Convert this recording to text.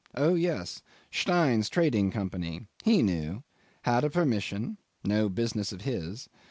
Oh yes. Stein's Trading Company. He knew. Had a permission? No business of his.